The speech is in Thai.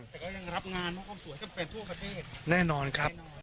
แต่ก็ยังรับงานเป็นทั่วประเทศแน่นอนครับ